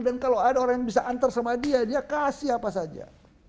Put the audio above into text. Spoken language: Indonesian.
dan kalau ada orang yang bisa antar sama dia dia kasih apa saja